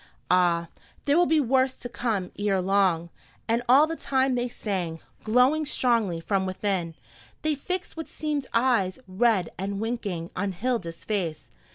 Ah, there will be worse to come ere long!" And all the time they sang, glowing strongly from within, they fixed what seemed eyes, red and winking, on Hilda's face.